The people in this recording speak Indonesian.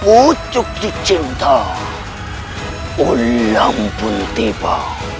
ucuk di cinta ulam pun tiba